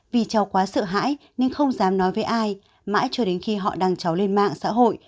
vì cháu quá sợ hãi nhưng không dám nói với ai mãi cho đến khi họ đang cháu lên mạng xã hội